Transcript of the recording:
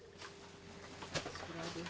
こちらです。